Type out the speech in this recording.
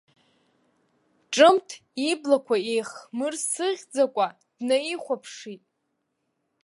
Ҿымҭ иблақәа еихмырсыӷьӡакәа днаихәаԥшит.